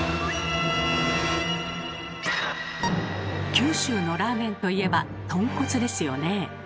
九州のラーメンといえばとんこつですよね。